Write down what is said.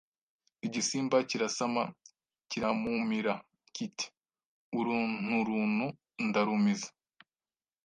igisimba kirasama kiramumira kiti Urunturuntu ndarumize